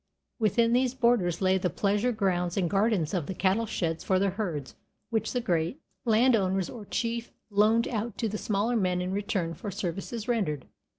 Within these borders lay the pleasure grounds and gardens and the cattle sheds for the herds, which the great landowner or chief loaned out to the smaller men in return for services rendered.